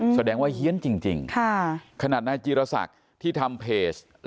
แสดงว่าเฮียนจริงขนาดนายจีรศักดิ์ที่ทำเพจ